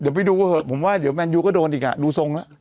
เดี๋ยวไปดูก็เหอะผมว่าแมนยูก็โดนอีกดูทรงแล้ว